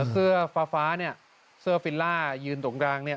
เสื้อฟ้าเนี่ยเสื้อฟิลล่ายืนตรงกลางเนี่ย